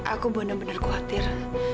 aku bener bener khawatir